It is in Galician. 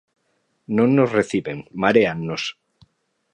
Non nos reciben, maréannos.